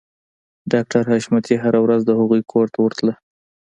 ډاکټر حشمتي هره ورځ د هغوی کور ته ورته